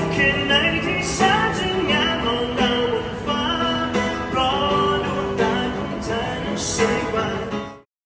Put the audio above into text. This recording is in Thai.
เพราะดวงด้านของเธอนั้นใส่ว่า